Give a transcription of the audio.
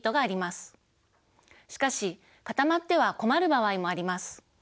しかし固まっては困る場合もあります。